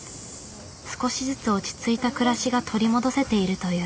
少しずつ落ち着いた暮らしが取り戻せているという。